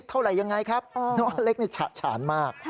เท่าไหร่ยังไงครับน้องอเล็กนี่ฉะฉานมาก